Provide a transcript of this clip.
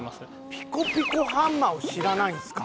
ピコピコハンマーを知らないんすか？